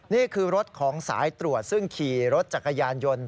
นี่คือรถของสายตรวจซึ่งขี่รถจักรยานยนต์